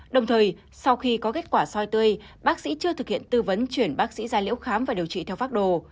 đồng thời sau khi có kết quả soi tươi bác sĩ chưa thực hiện tư vấn chuyển bác sĩ da liễu khám và điều trị theo pháp đồ